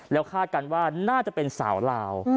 แล้วคาดกันว่าน่าจะเป็นสาวลาว